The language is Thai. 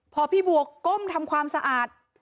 พอพี่บัวก้มทำความสะอาด